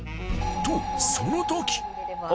とその時！